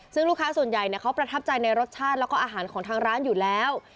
ซึ่งลูกค้าส่วนใหญ่เขาประทับใจในรสชาติแล้วก็อาหารของทางร้านอยู่แล้ว